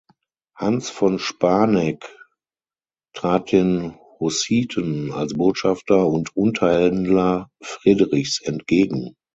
Hans von Sparneck trat den Hussiten als Botschafter und Unterhändler Friedrichs entgegen.